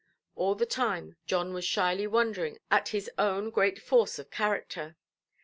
All the time, John was shyly wondering at his own great force of character.